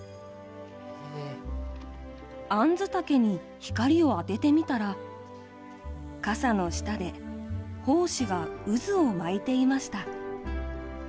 アンズタケに光を当ててみたらかさの下で胞子が渦を巻いていました。